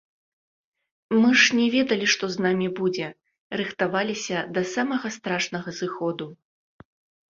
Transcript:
Мы ж не ведалі што з намі будзе, рыхтаваліся да самага страшнага зыходу.